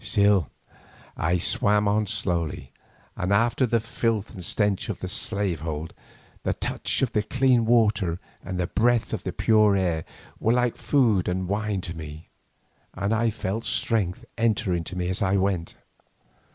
Still I swam on slowly, and after the filth and stench of the slave hold, the touch of the clean water and the breath of the pure air were like food and wine to me, and I felt strength enter into me as I went.